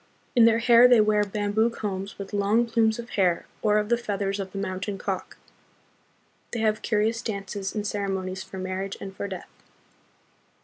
In their hair they wear bamboo combs with long plumes of hair or of the feathers of the mountain cock. They have curious dances, and ceremonies for marriage and for death.